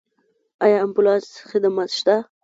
آیا امبولانس خدمات شته؟